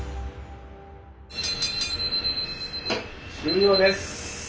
・終了です！